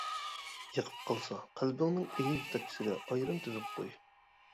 يېقىپ قالسا قەلبىڭنىڭ ئېگىز تەكچىسىگە ئايرىم تىزىپ قوي.